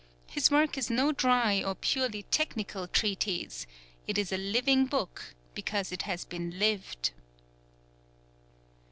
His work is no dry or purely f technical treatise; z¢ is a living book, because it has been lived."